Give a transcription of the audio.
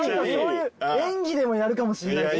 演技でもやるかもしれないし。